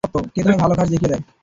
কে তোমায় ভালো ঘাস দেখিয়ে দেয়?